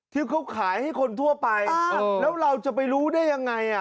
ที่เขาขายให้คนทั่วไปแล้วเราจะไปรู้ได้ยังไง